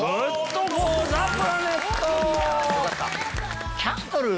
よかった！